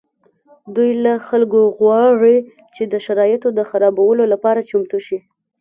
دوی له خلکو غواړي چې د شرایطو د خرابولو لپاره چمتو شي